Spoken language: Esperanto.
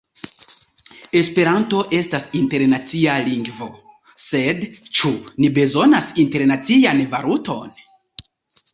Esperanto estas internacia lingvo, sed ĉu ni bezonas internacian valuton?